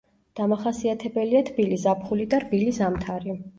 დამახასიათებელია თბილი ზაფხული და რბილი ზამთარი.